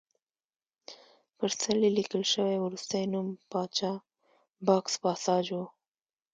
پر څلي لیکل شوی وروستی نوم پاچا یاکس پاساج و